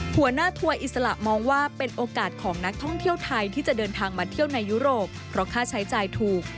หัวหน้าทัวร์อิสระมองว่าเป็นโอกาสของนักท่องเที่ยวไทยที่จะเดินทางมาเที่ยวในยุโรปเพราะค่าใช้จ่ายถูก